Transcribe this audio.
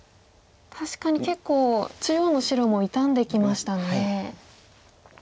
確かに結構中央の白も傷んできましたね。